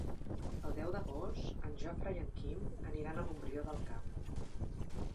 El deu d'agost en Jofre i en Quim aniran a Montbrió del Camp.